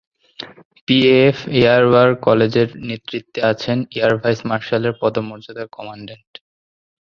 PAF air war কলেজের নেতৃত্বে আছেন এয়ার ভাইস মার্শালের পদমর্যাদার কমান্ড্যান্ট।